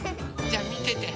じゃあみてて。